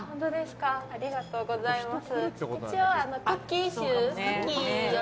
ありがとうございます。